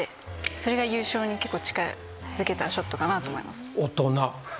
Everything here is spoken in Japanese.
それが優勝に近づけたショットかなと思います。